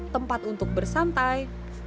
tempat untuk bersantai